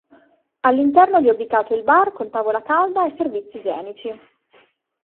All'interno vi è ubicato il bar con tavola calda e servizi igienici.